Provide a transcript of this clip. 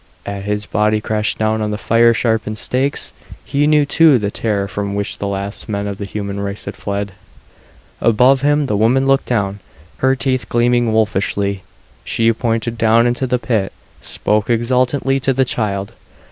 As his body crashed down on the fire sharpened stakes, he knew too the terror from which the last men of the human race had fled. Above him the woman looked down, her teeth gleaming wolfishly. She pointed down into the pit; spoke exultantly to the child.